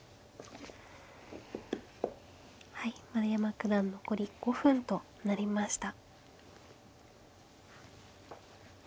はい丸山九段残り５分となりました。